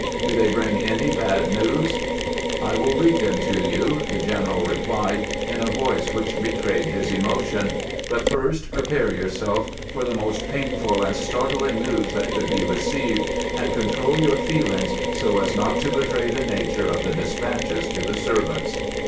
Do they bring any bad news ?" "I wUl read them to you," the general replied in a voice which betrayed his emotion ; 500 CAMPAIGNING WITH GRANT "but first prepare yourself for the most painful and startling news that could be received, and control your feelings so as not to betray the nature of the despatches to the servants."